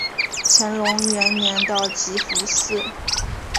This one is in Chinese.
乾隆元年的集福祠。